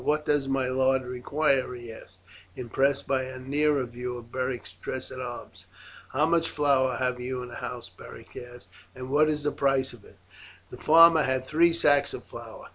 "What does my lord require?" he asked, impressed by a nearer view of Beric's dress and arms. "How much flour have you in the house?" Beric asked, "and what is the price of it?" The farmer had three sacks of flour.